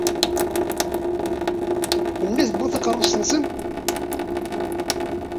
Melmi i tewwimt takeṛṛust-nsent?